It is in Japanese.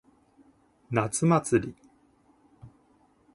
夏祭り。